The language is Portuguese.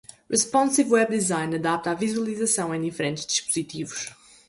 Responsive Web Design adapta a visualização em diferentes dispositivos.